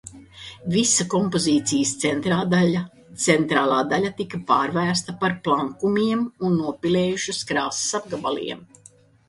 Visa kompozīcijas centrālā daļa tika pārvērsta par plankumiem un nopilējušas krāsas apgabaliem.